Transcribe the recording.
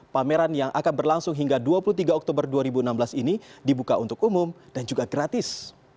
pameran yang akan berlangsung hingga dua puluh tiga oktober dua ribu enam belas ini dibuka untuk umum dan juga gratis